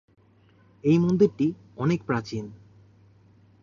এই মন্দিরটি অনেক প্রাচীন।